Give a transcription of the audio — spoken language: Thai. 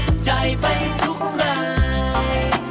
จัดใจไปทุกราย